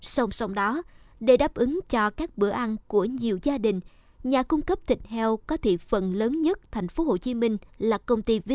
sông sông đó để đáp ứng cho các bữa ăn của nhiều gia đình nhà cung cấp thịt heo có thị phần lớn nhất thành phố hồ chí minh là công ty visa